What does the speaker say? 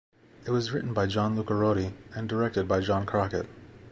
It was written by John Lucarotti and directed by John Crockett.